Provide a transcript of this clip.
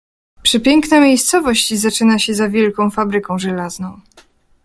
"Przepiękna miejscowość zaczyna się za wielką fabryką żelazną."